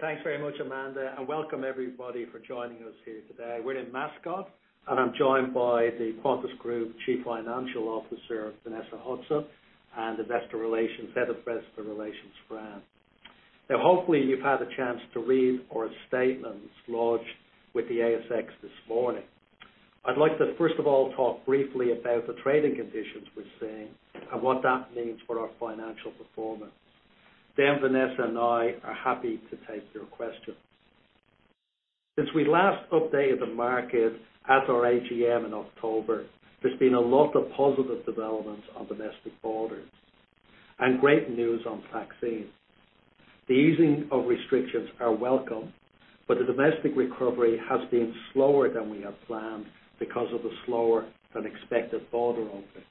Thanks very much, Amanda, and welcome everybody for joining us here today. We're in Mascot, and I'm joined by the Qantas Group Chief Financial Officer, Vanessa Hudson, and the Head of Investor Relations, Frances. Now, hopefully, you've had a chance to read our statements launched with the ASX this morning. I'd like to, first of all, talk briefly about the trading conditions we're seeing and what that means for our financial performance. Then, Vanessa and I are happy to take your questions. Since we last updated the market at our AGM in October, there's been a lot of positive developments on domestic borders and great news on vaccines. The easing of restrictions is welcome, but the domestic recovery has been slower than we had planned because of the slower-than-expected border opening.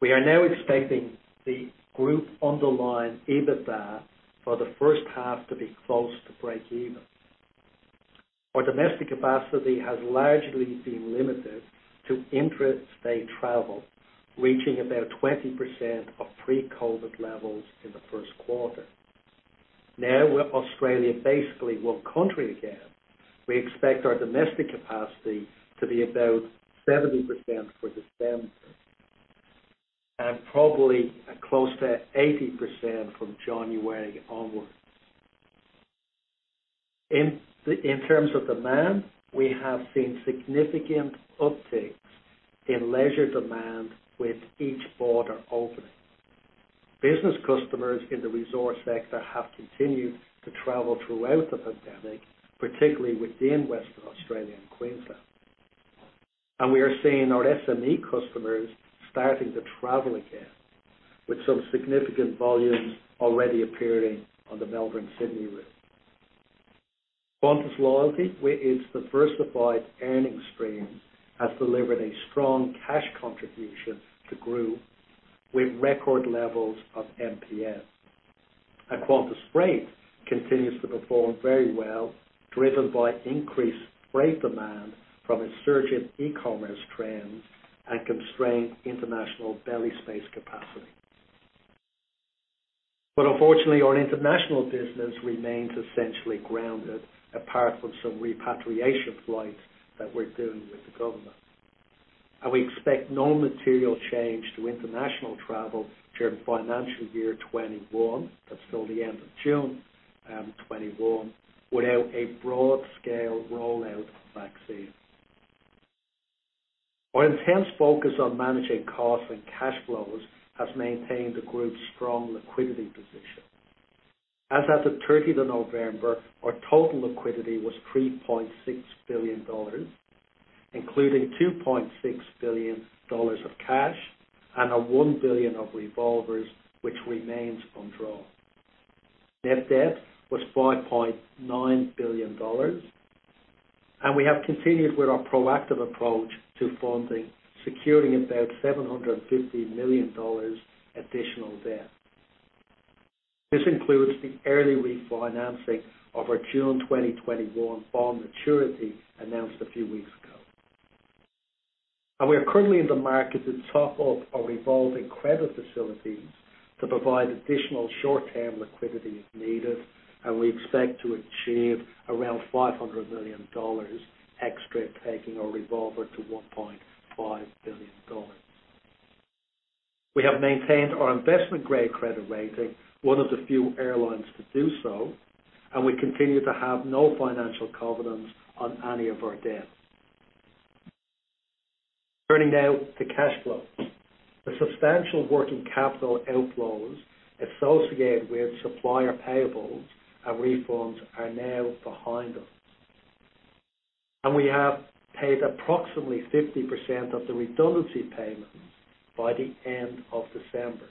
We are now expecting the group underlying EBITDA for the first half to be close to break-even. Our domestic capacity has largely been limited to interstate travel, reaching about 20% of pre-COVID levels in the first quarter. Now, with Australia basically one country again, we expect our domestic capacity to be about 70% for December and probably close to 80% from January onward. In terms of demand, we have seen significant upticks in leisure demand with each border opening. Business customers in the resource sector have continued to travel throughout the pandemic, particularly within Western Australia and Queensland. And we are seeing our SME customers starting to travel again, with some significant volumes already appearing on the Melbourne-Sydney route. Qantas Loyalty, with its diversified earnings streams, has delivered a strong cash contribution to the group with record levels of MPN. And Qantas Freight continues to perform very well, driven by increased freight demand from its surging e-commerce trends and constrained international belly space capacity. But unfortunately, our international business remains essentially grounded, apart from some repatriation flights that we're doing with the government. We expect no material change to international travel during financial year 2021, that's still the end of June 2021, without a broad-scale rollout of vaccines. Our intense focus on managing costs and cash flows has maintained the group's strong liquidity position. As of the 30th of November, our total liquidity was 3.6 billion dollars, including 2.6 billion dollars of cash and 1 billion of revolvers, which remains undrawn. Net debt was 5.9 billion dollars, and we have continued with our proactive approach to funding, securing about 750 million dollars additional debt. This includes the early refinancing of our June 2021 bond maturity announced a few weeks ago. And we are currently in the market to top up our revolving credit facilities to provide additional short-term liquidity if needed, and we expect to achieve around 500 million dollars extra taking our revolver to 1.5 billion dollars. We have maintained our investment-grade credit rating, one of the few airlines to do so, and we continue to have no financial covenants on any of our debt. Turning now to cash flows. The substantial working capital outflows associated with supplier payables and refunds are now behind us. And we have paid approximately 50% of the redundancy payments by the end of December.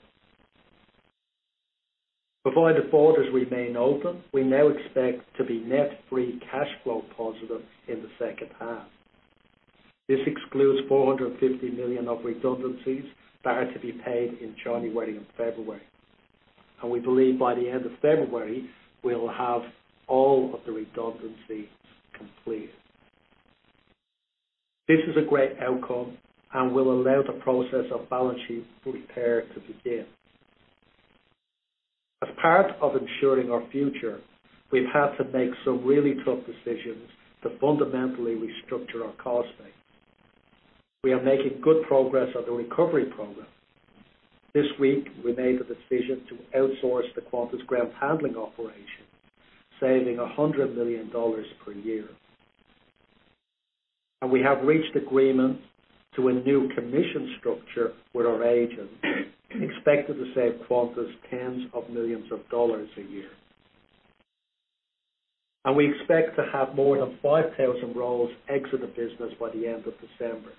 Provided the borders remain open, we now expect to be net free cash flow positive in the second half. This excludes 450 million of redundancies that are to be paid in January and February. And we believe by the end of February, we'll have all of the redundancies completed. This is a great outcome and will allow the process of balance sheet repair to begin. As part of ensuring our future, we've had to make some really tough decisions to fundamentally restructure our cost base. We are making good progress on the recovery program. This week, we made the decision to outsource the Qantas Ground Handling operation, saving 100 million dollars per year. And we have reached agreement to a new commission structure with our agents, expected to save Qantas tens of millions a year. And we expect to have more than 5,000 roles exit the business by the end of December.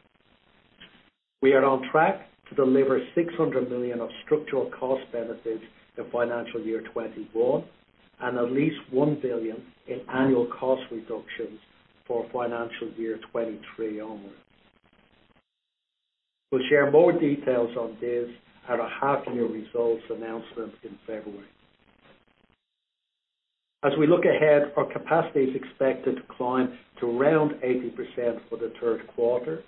We are on track to deliver 600 million of structural cost benefits in financial year 2021 and at least 1 billion in annual cost reductions for financial year 2023 onward. We'll share more details on this at our half-year results announcement in February. As we look ahead, our capacity is expected to climb to around 80% for the third quarter.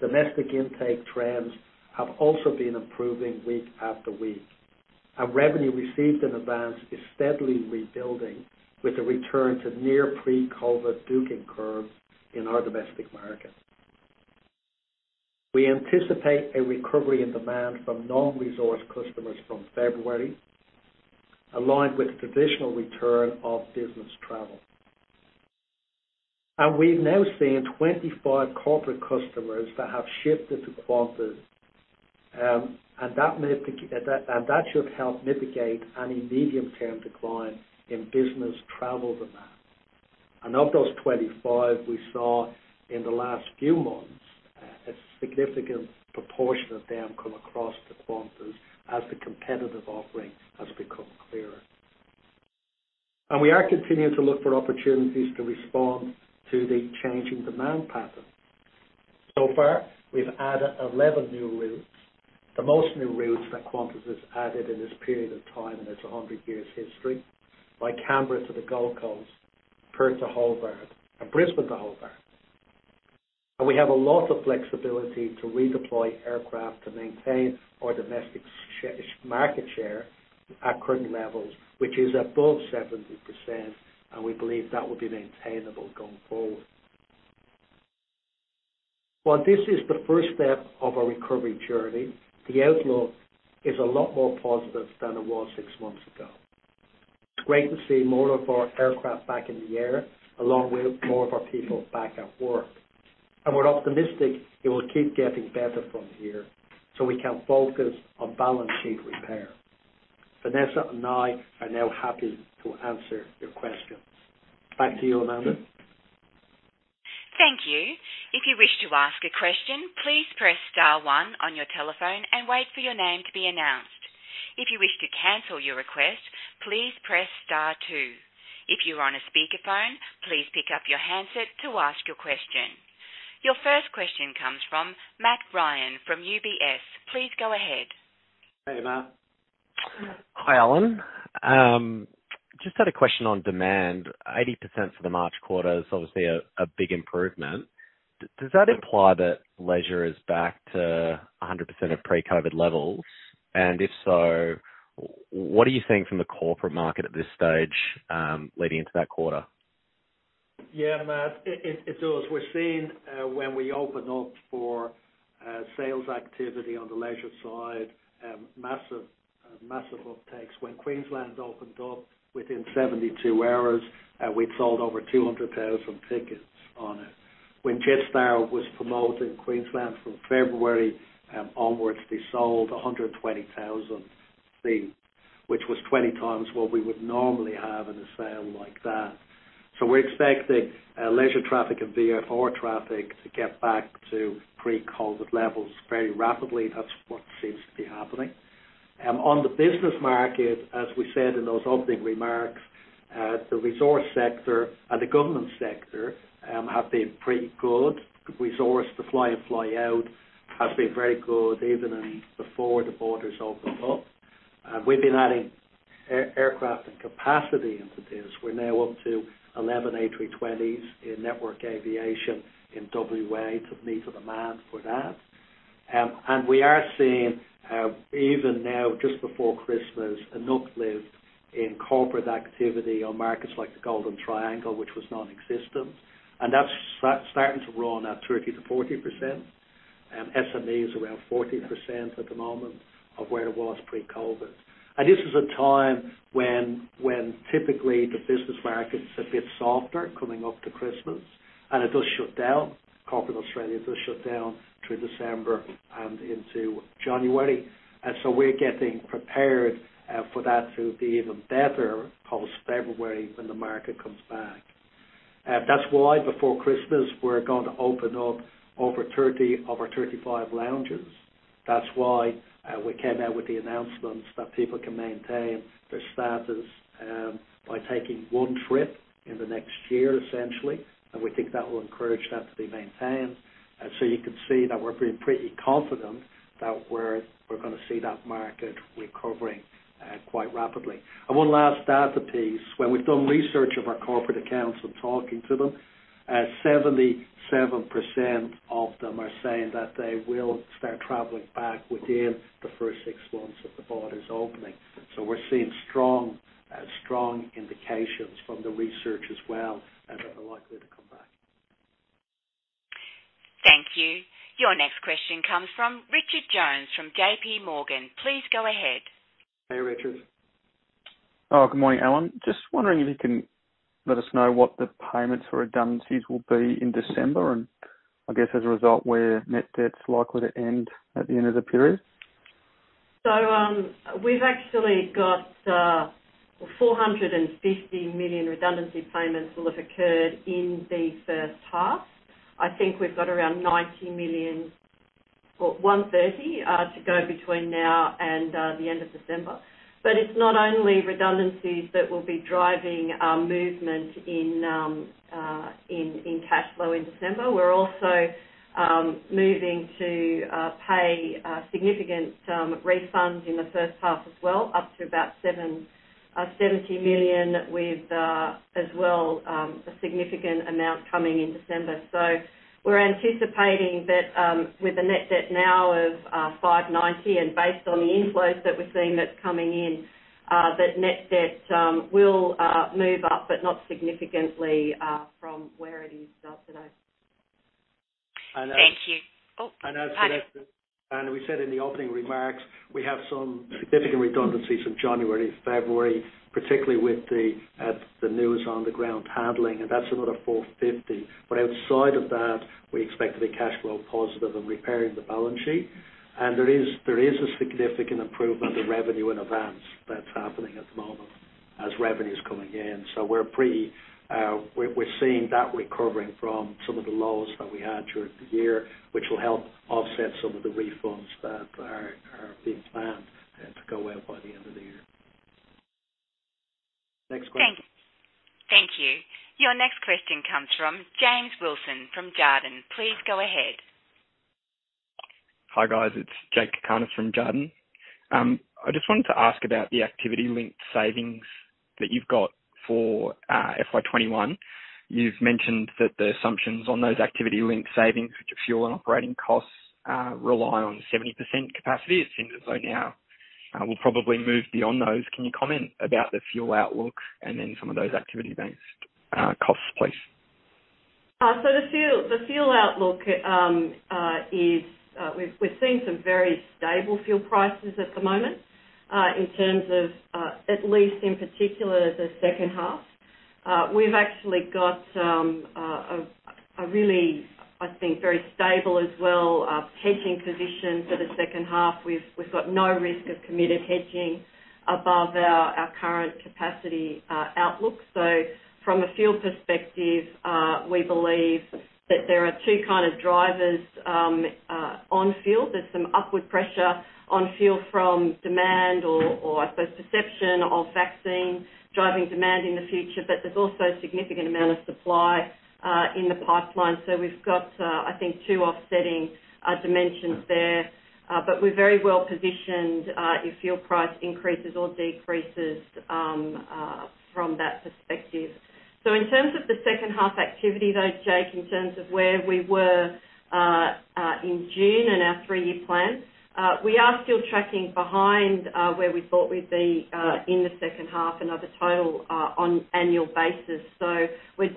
Domestic intake trends have also been improving week after week, and revenue received in advance is steadily rebuilding with a return to near pre-COVID booking curve in our domestic market. We anticipate a recovery in demand from non-resource customers from February, aligned with the traditional return of business travel, and we've now seen 25 corporate customers that have shifted to Qantas, and that should help mitigate any medium-term decline in business travel demand, and of those 25, we saw in the last few months a significant proportion of them come across to Qantas as the competitive offering has become clearer, and we are continuing to look for opportunities to respond to the changing demand pattern. So far, we've added 11 new routes, the most new routes that Qantas has added in this period of time in its 100 years' history, by Canberra to the Gold Coast, Perth to Hobart, and Brisbane to Hobart, and we have a lot of flexibility to redeploy aircraft to maintain our domestic market share at current levels, which is above 70%, and we believe that will be maintainable going forward. While this is the first step of our recovery journey, the outlook is a lot more positive than it was six months ago. It's great to see more of our aircraft back in the air, along with more of our people back at work, and we're optimistic it will keep getting better from here so we can focus on balance sheet repair. Vanessa and I are now happy to answer your questions. Back to you, Amanda. Thank you. If you wish to ask a question, please press star one on your telephone and wait for your name to be announced. If you wish to cancel your request, please press star two. If you're on a speakerphone, please pick up your handset to ask your question. Your first question comes from Matt Ryan from UBS. Please go ahead. Hey, Matt. Hi, Alan. Just had a question on demand. 80% for the March quarter is obviously a big improvement. Does that imply that leisure is back to 100% of pre-COVID levels? And if so, what are you seeing from the corporate market at this stage leading into that quarter? Yeah, Matt. It's always we're seeing when we open up for sales activity on the leisure side, massive uptakes. When Queensland opened up within 72 hours, we'd sold over 200,000 tickets on it. When Jetstar was promoting Queensland from February onwards, they sold 120,000 seats, which was 20 times what we would normally have in a sale like that. So we're expecting leisure traffic and VFR traffic to get back to pre-COVID levels very rapidly. That's what seems to be happening. On the business market, as we said in those opening remarks, the resource sector and the government sector have been pretty good. Resource to fly-in, fly-out has been very good even before the borders opened up. We've been adding aircraft and capacity into this. We're now up to 11 A320s in Network Aviation in WA to meet the demand for that. And we are seeing even now, just before Christmas, an uplift in corporate activity on markets like the Golden Triangle, which was non-existent. And that's starting to run at 30%-40%. SME is around 40% at the moment of where it was pre-COVID. And this is a time when typically the business market's a bit softer coming up to Christmas, and it does shut down. Corporate Australia does shut down through December and into January. And so we're getting prepared for that to be even better post-February when the market comes back. That's why before Christmas, we're going to open up over 30, over 35 lounges. That's why we came out with the announcements that people can maintain their status by taking one trip in the next year, essentially. And we think that will encourage that to be maintained. And so you can see that we're being pretty confident that we're going to see that market recovering quite rapidly. And one last data piece. When we've done research of our corporate accounts and talking to them, 77% of them are saying that they will start traveling back within the first six months of the borders opening. So we're seeing strong indications from the research as well that they're likely to come back. Thank you. Your next question comes from Richard Jones from JP Morgan. Please go ahead. Hey, Richard. Oh, good morning, Alan. Just wondering if you can let us know what the payments for redundancies will be in December and, I guess, as a result, where net debt's likely to end at the end of the period? So we've actually got 450 million redundancy payments that have occurred in the first half. I think we've got around 90 million or 130 to go between now and the end of December. But it's not only redundancies that will be driving our movement in cash flow in December. We're also moving to pay significant refunds in the first half as well, up to about 70 million with as well a significant amount coming in December. So we're anticipating that with the net debt now of 590 and based on the inflows that we're seeing that's coming in, that net debt will move up but not significantly from where it is today. Thank you. And as Vanessa and we said in the opening remarks, we have some significant redundancies in January and February, particularly with the news on the Ground Handling, and that's another 450. But outside of that, we expect to be cash flow positive and repairing the balance sheet. And there is a significant improvement in revenue in advance that's happening at the moment as revenue's coming in. So we're seeing that recovering from some of the lows that we had during the year, which will help offset some of the refunds that are being planned to go out by the end of the year. Next question. Thank you. Your next question comes from James Wilson from Jarden. Please go ahead. Hi guys. It's Jakob Cakarnis from Jarden. I just wanted to ask about the activity-linked savings that you've got for FY 2021. You've mentioned that the assumptions on those activity-linked savings, which are fuel and operating costs, rely on 70% capacity. It seems as though now we'll probably move beyond those. Can you comment about the fuel outlook and then some of those activity-based costs, please? So the fuel outlook is we're seeing some very stable fuel prices at the moment in terms of at least in particular the second half. We've actually got a really, I think, very stable as well hedging position for the second half. We've got no risk of committed hedging above our current capacity outlook. So from a fuel perspective, we believe that there are two kind of drivers on fuel. There's some upward pressure on fuel from demand or, I suppose, perception of vaccine driving demand in the future, but there's also a significant amount of supply in the pipeline. So we've got, I think, two offsetting dimensions there. But we're very well positioned if fuel price increases or decreases from that perspective. So in terms of the second half activity, though, Jakob, in terms of where we were in June and our three-year plan, we are still tracking behind where we thought we'd be in the second half and at the total on annual basis. So we're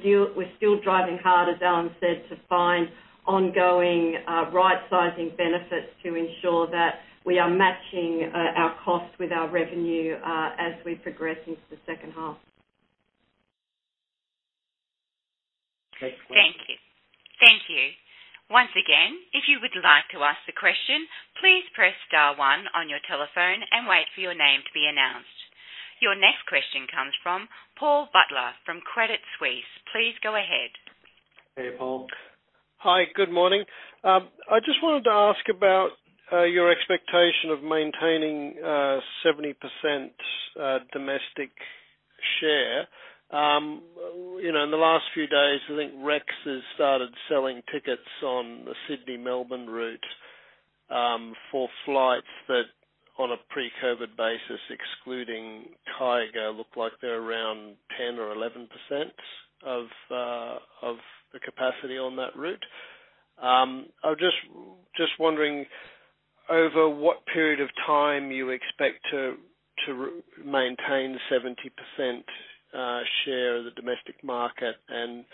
still driving hard, as Alan said, to find ongoing right-sizing benefits to ensure that we are matching our cost with our revenue as we progress into the second half. Thank you. Thank you. Once again, if you would like to ask a question, please press star one on your telephone and wait for your name to be announced. Your next question comes from Paul Butler from Credit Suisse. Please go ahead. Hey, Paul. Hi, good morning. I just wanted to ask about your expectation of maintaining 70% domestic share. In the last few days, I think Rex has started selling tickets on the Sydney-Melbourne route for flights that, on a pre-COVID basis, excluding Tiger, look like they're around 10% or 11% of the capacity on that route. I'm just wondering over what period of time you expect to maintain 70% share of the domestic market and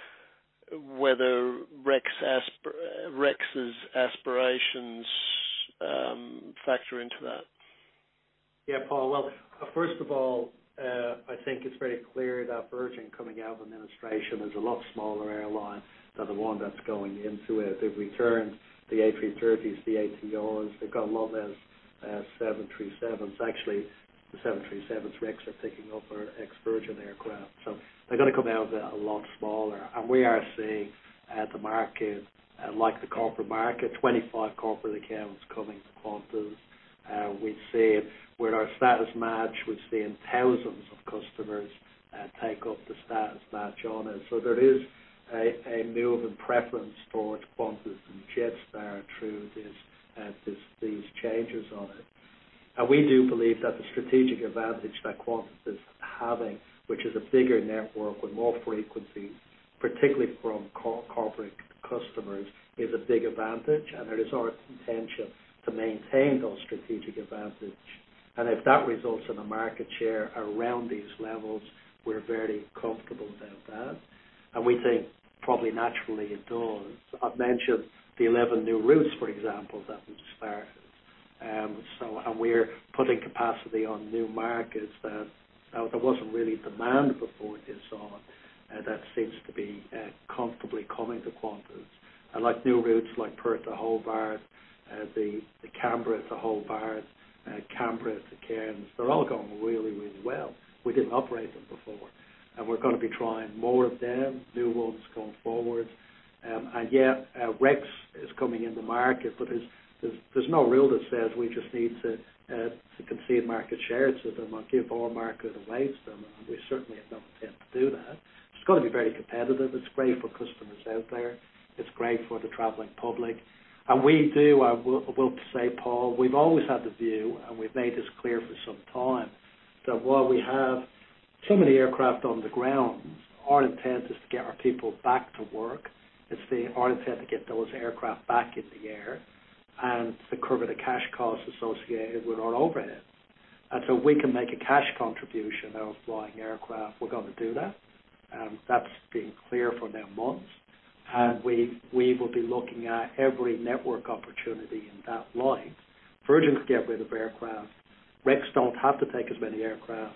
whether Rex's aspirations factor into that. Yeah, Paul, well, first of all, I think it's very clear that Virgin coming out of administration is a lot smaller airline than the one that's going into it. They've returned the A330s, the ATRs. They've got a lot less 737s. Actually, the 737s Rex are taking over ex-Virgin aircraft. So they're going to come out a lot smaller, and we are seeing in the market, like the corporate market, 25 corporate accounts coming to Qantas. We've seen with our status match, we've seen thousands of customers take up the status match on it, so there is a move and preference towards Qantas and Jetstar through these changes on it, and we do believe that the strategic advantage that Qantas is having, which is a bigger network with more frequency, particularly from corporate customers, is a big advantage, and it is our intention to maintain those strategic advantage. And if that results in a market share around these levels, we're very comfortable about that. And we think probably naturally it does. I've mentioned the 11 new routes, for example, that we've started. And we're putting capacity on new markets that there wasn't really demand before this on. That seems to be comfortably coming to Qantas. And new routes like Perth to Hobart, the Canberra to Hobart, Canberra to Cairns, they're all going really, really well. We didn't operate them before. And we're going to be trying more of them, new ones going forward. And yeah, Rex is coming into market, but there's no rule that says we just need to concede market shares to them and give our market away to them. And we certainly have not intended to do that. It's got to be very competitive. It's great for customers out there. It's great for the traveling public. And we do, I will say, Paul, we've always had the view, and we've made this clear for some time, that while we have so many aircraft on the ground, our intent is to get our people back to work. It's our intent to get those aircraft back in the air and to curb the cash costs associated with our overhead. And so we can make a cash contribution out of flying aircraft. We're going to do that. That's been clear for some months. And we will be looking at every network opportunity in that line. Virgin can get rid of aircraft. Rex don't have to take as many aircraft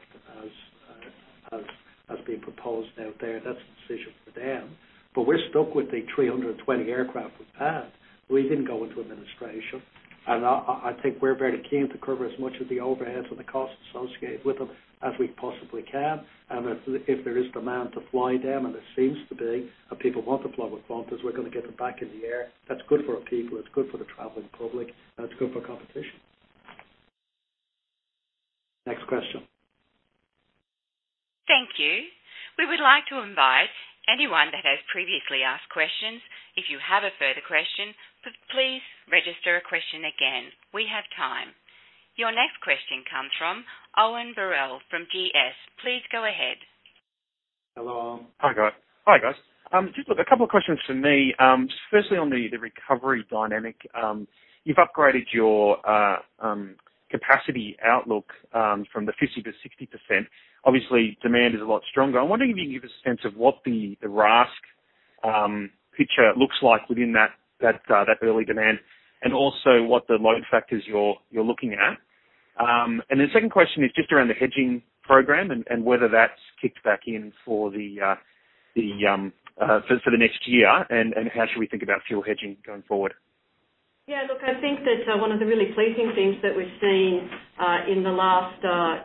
as being proposed out there. That's a decision for them. But we're stuck with the A320 aircraft we've had. We didn't go into administration. And I think we're very keen to curb as much of the overhead and the costs associated with them as we possibly can. And if there is demand to fly them, and there seems to be, and people want to fly with Qantas, we're going to get them back in the air. That's good for our people. It's good for the traveling public. That's good for competition. Next question. Thank you. We would like to invite anyone that has previously asked questions. If you have a further question, please register a question again. We have time. Your next question comes from Owen Birrell from GS. Please go ahead. Hello. Hi guys. Hi guys. Just a couple of questions for me. Firstly, on the recovery dynamic, you've upgraded your capacity outlook from the 50%-60%. Obviously, demand is a lot stronger. I'm wondering if you can give us a sense of what the RASK picture looks like within that early demand and also what the load factors you're looking at, and the second question is just around the hedging program and whether that's kicked back in for the next year and how should we think about fuel hedging going forward. Yeah, look, I think that one of the really pleasing things that we've seen in the last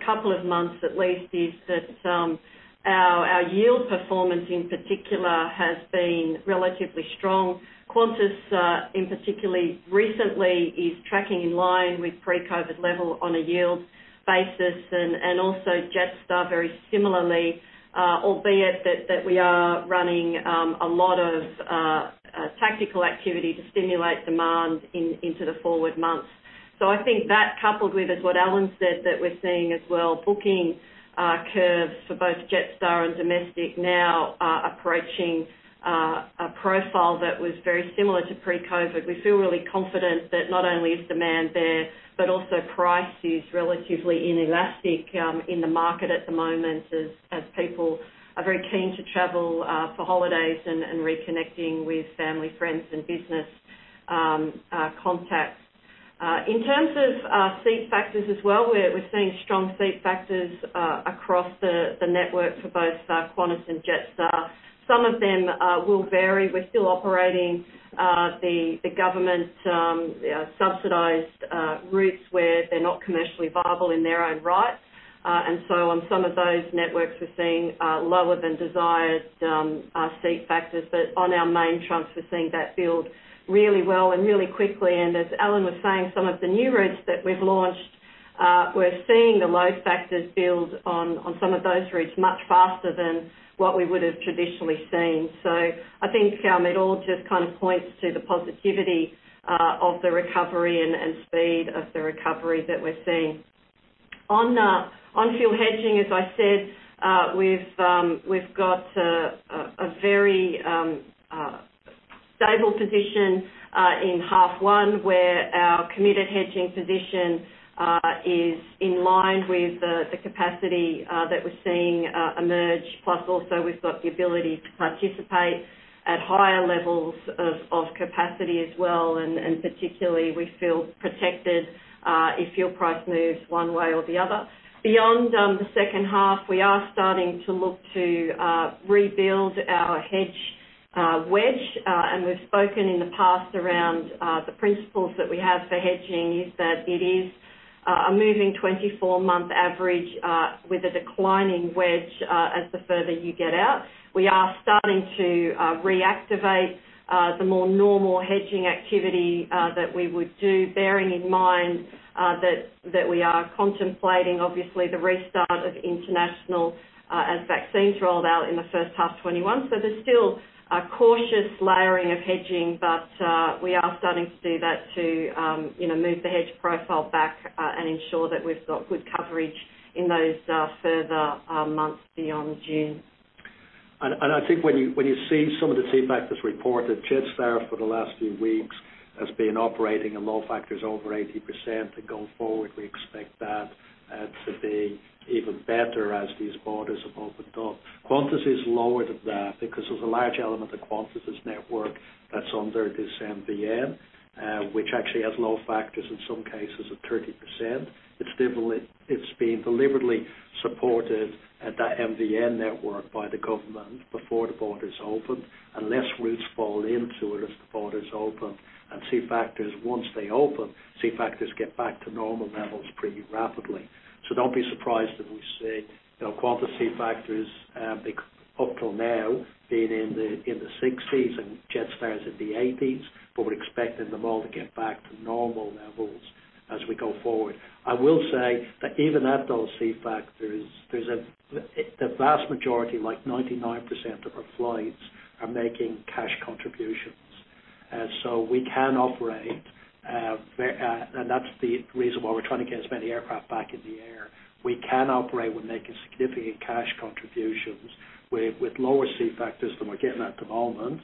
couple of months, at least, is that our yield performance in particular has been relatively strong. Qantas, in particular recently, is tracking in line with pre-COVID level on a yield basis and also Jetstar very similarly, albeit that we are running a lot of tactical activity to stimulate demand into the forward months. So I think that coupled with, as what Alan said, that we're seeing as well, booking curves for both Jetstar and domestic now approaching a profile that was very similar to pre-COVID. We feel really confident that not only is demand there, but also price is relatively inelastic in the market at the moment as people are very keen to travel for holidays and reconnecting with family, friends, and business contacts. In terms of seat factors as well, we're seeing strong seat factors across the network for both Qantas and Jetstar. Some of them will vary. We're still operating the government-subsidized routes where they're not commercially viable in their own right, and so on some of those networks, we're seeing lower than desired seat factors, but on our main trunks, we're seeing that build really well and really quickly, and as Alan was saying, some of the new routes that we've launched, we're seeing the load factors build on some of those routes much faster than what we would have traditionally seen, so I think it all just kind of points to the positivity of the recovery and speed of the recovery that we're seeing. On fuel hedging, as I said, we've got a very stable position in half one where our committed hedging position is in line with the capacity that we're seeing emerge. Plus, also, we've got the ability to participate at higher levels of capacity as well, and particularly, we feel protected if fuel price moves one way or the other. Beyond the second half, we are starting to look to rebuild our hedge wedge, and we've spoken in the past around the principles that we have for hedging, is that it is a moving 24-month average with a declining wedge as the further you get out. We are starting to reactivate the more normal hedging activity that we would do, bearing in mind that we are contemplating, obviously, the restart of international as vaccines rolled out in the first half of 2021. There's still a cautious layering of hedging, but we are starting to do that to move the hedge profile back and ensure that we've got good coverage in those further months beyond June. And I think when you see some of the seat factors reported Jetstar for the last few weeks as being operating and load factors over 80%, then going forward, we expect that to be even better as these borders have opened up. Qantas is lower than that because there's a large element of Qantas' network that's under this MVN, which actually has load factors in some cases at 30%. It's been deliberately supported at that MVN network by the government before the borders opened unless routes fall into it as the borders opened. And seat factors, once they open, seat factors get back to normal levels pretty rapidly. So don't be surprised if we see Qantas seat factors up till now being in the 60s and Jetstar's in the 80s, but we're expecting them all to get back to normal levels as we go forward. I will say that even at those seat factors, the vast majority, like 99% of our flights, are making cash contributions, and so we can operate, and that's the reason why we're trying to get as many aircraft back in the air. We can operate when making significant cash contributions with lower seat factors than we're getting at the moment,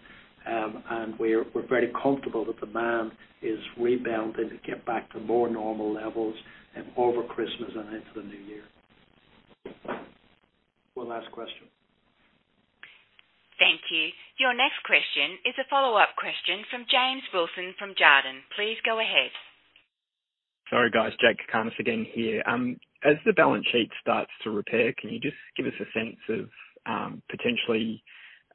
and we're very comfortable that demand is rebounding to get back to more normal levels over Christmas and into the new year. One last question. Thank you. Your next question is a follow-up question from James Wilson from Jarden. Please go ahead. Sorry, guys. Jakob Cakarnis again here. As the balance sheet starts to repair, can you just give us a sense of potentially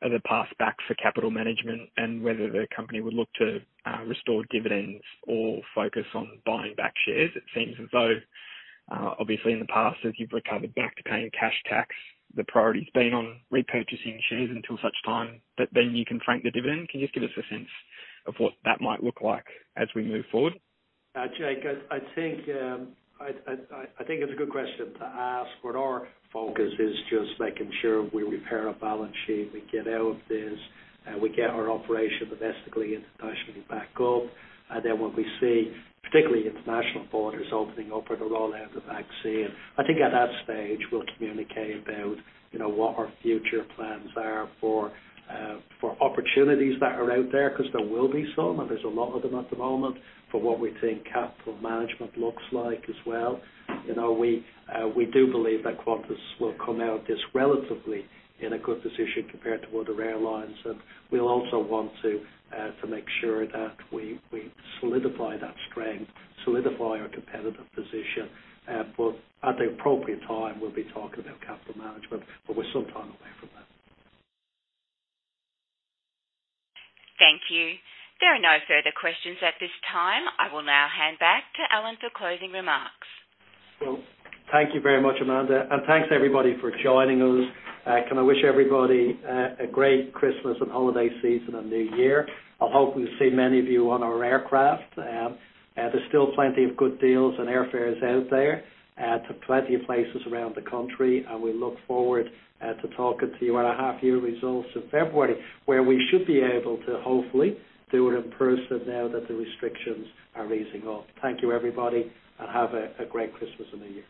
the path back for capital management and whether the company would look to restore dividends or focus on buying back shares? It seems as though, obviously, in the past, as you've recovered back to paying cash tax, the priority has been on repurchasing shares until such time that then you can frank the dividend. Can you just give us a sense of what that might look like as we move forward? Jakob, I think it's a good question to ask when our focus is just making sure we repair our balance sheet, we get out of this, and we get our operation domestically and internationally back up. And then when we see, particularly international borders opening up at the rollout of the vaccine, I think at that stage we'll communicate about what our future plans are for opportunities that are out there because there will be some, and there's a lot of them at the moment, for what we think capital management looks like as well. We do believe that Qantas will come out of this relatively in a good position compared to other airlines. And we'll also want to make sure that we solidify that strength, solidify our competitive position. But at the appropriate time, we'll be talking about capital management, but we're some time away from that. Thank you. There are no further questions at this time. I will now hand back to Alan for closing remarks. Well, thank you very much, Amanda. And thanks, everybody, for joining us. Can I wish everybody a great Christmas and Holiday Season and New Year? I hope we'll see many of you on our aircraft. There's still plenty of good deals and airfares out there to plenty of places around the country. And we look forward to talking to you at our half-year results in February, where we should be able to hopefully do it in person now that the restrictions are easing up. Thank you, everybody, and have a great Christmas and new year.